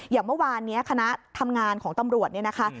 อย่างเมื่อวานนี้คณะทำงานของตำรวจเนี่ยนะคะ